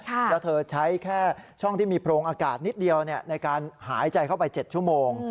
แล้วเธอใช้แค่ช่องที่มีโพรงอากาศนิดเดียวในการหายใจเข้าไป๗ชั่วโมง